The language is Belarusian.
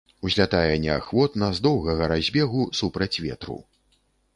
Узлятае неахвотна, з доўгага разбегу супраць ветру.